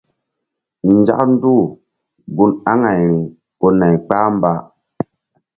Nzak nduh un aŋayri ko nay kpah mba.